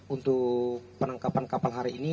untuk penangkapan kapal hari ini